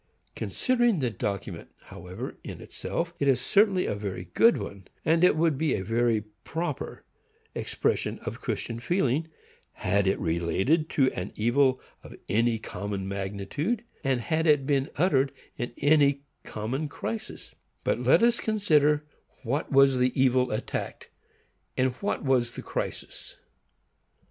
Considering the document, however, in itself, it is certainly a very good one; and it would be a very proper expression of Christian feeling, had it related to an evil of any common magnitude, and had it been uttered in any common crisis; but let us consider what was the evil attacked, and what was the crisis.